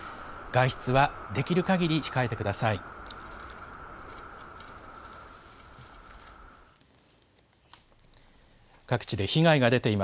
外出はできるかぎり控えてください。